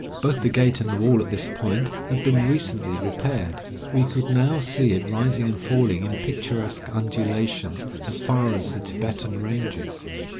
Both the gate and the wall at this point had been recently repaired. We could now see it rising and falling in picturesque undulations as far as the Tibetan ranges.